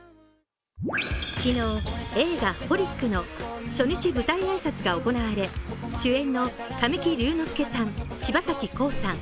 昨日、映画「ホリックｘｘｘＨＯＬＩＣ」の初日舞台挨拶が行われ主演の神木隆之介さん、柴咲コウさん